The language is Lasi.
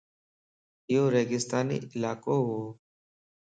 ايو ريگستاني علاقو وَ